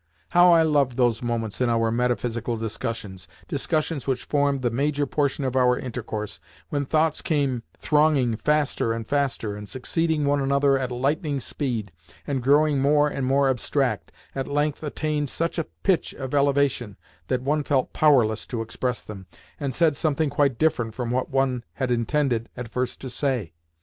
How I loved those moments in our metaphysical discussions (discussions which formed the major portion of our intercourse) when thoughts came thronging faster and faster, and, succeeding one another at lightning speed, and growing more and more abstract, at length attained such a pitch of elevation that one felt powerless to express them, and said something quite different from what one had intended at first to say!